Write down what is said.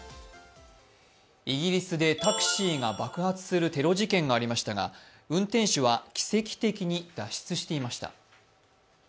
イギリスでタクシーが爆発するテロ事件がありましたが、運転手は奇跡的に脱出していました。